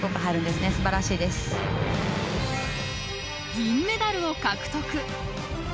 銀メダルを獲得。